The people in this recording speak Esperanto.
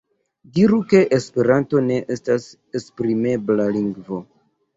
Diru ke esperanto ne estas esprimebla lingvo.